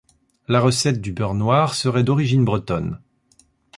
La recette du beurre noir serait d'origine bretonne.